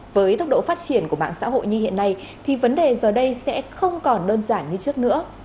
với tốc độ phát triển của mạng xã hội như hiện nay thì vấn đề giờ đây sẽ không còn đơn giản như trước nữa